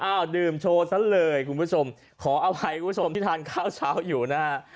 เอาดื่มโชว์ซะเลยคุณผู้ชมขอเอาใหม่เพื่อนผู้ชมที่ทานเช้าอยู่นะฮะ